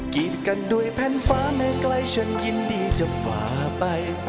กีดกันด้วยแผ่นฟ้าไม่ไกลฉันยินดีจะฝ่าไป